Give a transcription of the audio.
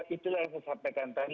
itulah yang saya sampaikan tadi